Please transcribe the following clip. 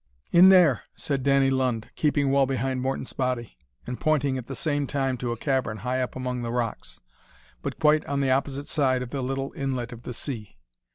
"In there," said Danny Lund, keeping well behind Morton's body, and pointing at the same time to a cavern high up among the rocks, but quite on the opposite side of the little inlet of the sea.